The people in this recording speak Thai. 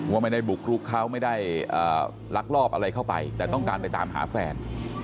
ว่าไม่ได้บุกรุกเขาไม่ได้ลักลอบอะไรเข้าไปแต่ต้องการไปตามหาแฟน